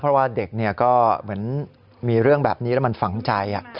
เพราะว่าเด็กก็เหมือนมีเรื่องแบบนี้แล้วมันฝังใจ